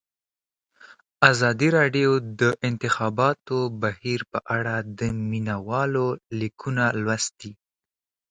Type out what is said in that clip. ازادي راډیو د د انتخاباتو بهیر په اړه د مینه والو لیکونه لوستي.